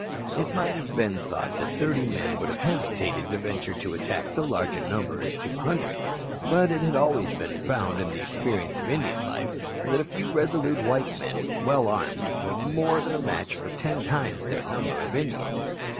It might have been thought that thirty men would have hesitated to venture to attack so large a number as two hundred; but it had always been found in the experience of Indian life that a few resolute white men well armed were more than a match for ten times their number of Indians.